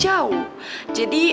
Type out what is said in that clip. jadi aku mau berbicara sama adriana